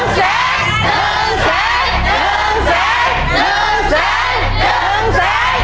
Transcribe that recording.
ครอบครับ